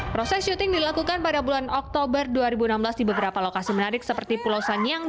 proses syuting dilakukan pada bulan oktober dua ribu enam belas di beberapa lokasi menarik seperti pulau sanyang